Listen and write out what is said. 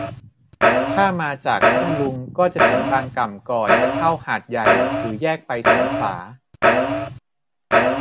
ถ้ามาจากพัทลุง ก็จะถึงบางกล่ำก่อนจะเข้าหาดใหญ่หรือแยกไปสงขลา